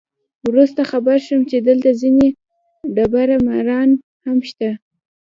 وروسته خبر شوم چې دلته ځینې دبړه ماران هم شته.